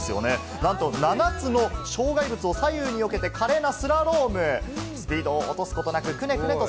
なんと７つの障害物を左右によけて「ない！ない！残ってない！」